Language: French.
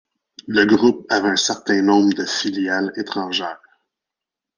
Le groupe avait un certain nombre de filiales étrangères.